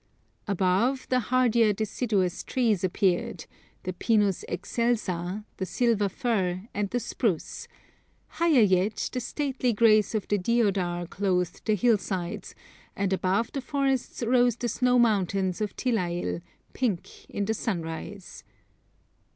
Above the hardier deciduous trees appeared the Pinus excelsa, the silver fir, and the spruce; higher yet the stately grace of the deodar clothed the hillsides; and above the forests rose the snow mountains of Tilail, pink in the sunrise.